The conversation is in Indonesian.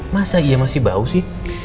masa iya masih bau sih